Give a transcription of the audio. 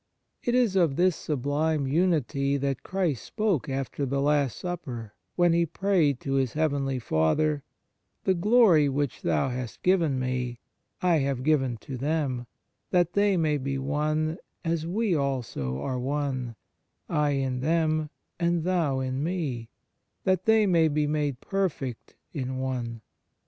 It is of this sublime unity that Christ spoke after the Last Supper, when ^ He prayed to His heavenly Father: "The glory which Thou hast given Me, I have given to them; that the}^ may be one, as We also are one: I in them, and Thou in Me; that they may be made perfect in one."